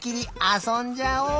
あそんじゃおう！